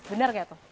benar nggak itu